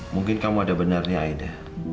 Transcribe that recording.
mungkin kamu ada benarnya aida